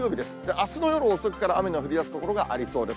あすの夜遅くから雨が降りだす所がありそうです。